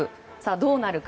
どうなるか。